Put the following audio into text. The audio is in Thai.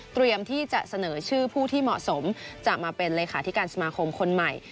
ที่จะเสนอชื่อผู้ที่เหมาะสมจะมาเป็นเลขาธิการสมาคมคนใหม่